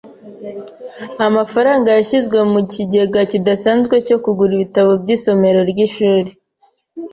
Amafaranga yashyizwe mu kigega kidasanzwe cyo kugura ibitabo by'isomero ry'ishuri.